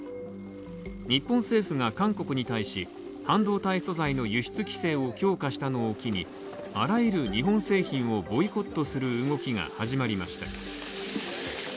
日本政府が韓国に対し、半導体素材の輸出素材を強化したのを機にあらゆる日本製品をボイコットする動きが始まりました。